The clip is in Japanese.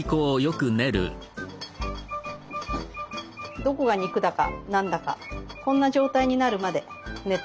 どこが肉だか何だかこんな状態になるまで練って下さい。